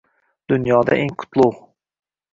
Dunyoda eng kutlug’